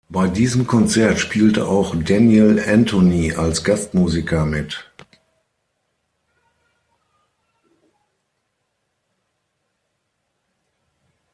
Bei diesem Konzert spielte auch Daniel Antoni als Gastmusiker mit.